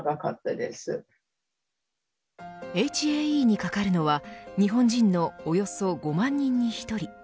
ＨＡＥにかかるのは日本人のおよそ５万人に１人。